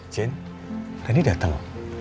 jen randy dateng